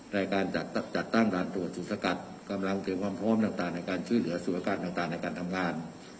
ในการจัดจัดตั้งรานตรวจสกัดกำลังเจอความพร้อมต่างต่างในการชื่อเหลือสู่อาการต่างต่างในการทำงาน